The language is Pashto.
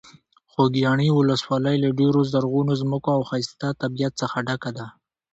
خوږیاڼي ولسوالۍ له ډېرو زرغونو ځمکو او ښایسته طبیعت څخه ډکه ده.